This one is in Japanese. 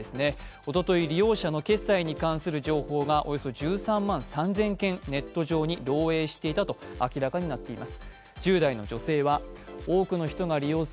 おととい利用者の決済に関する情報がおよそ１３万３０００件、ネット上に漏えいしていたと明らかになっています。